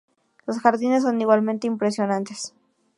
Los jardines son igualmente impresionantes.